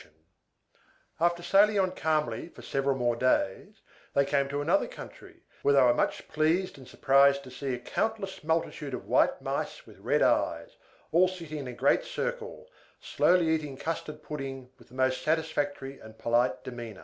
After sailing on calmly for several more days, they came to another country, where they were much pleased and surprised to see a countless multitude of white Mice with red eyes, all sitting in a great circle, slowly eating custard pudding with the most satisfactory and polite demeanor.